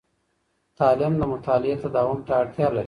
تعلیم د مطالعې تداوم ته اړتیا لري.